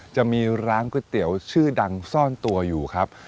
จะมีร้านก๋วยเตี๋ยวชื่อดังซ่อนตัวอยู่ครับ